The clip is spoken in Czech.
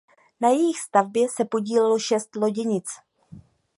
Na jejich stavbě se podílelo šest loděnic.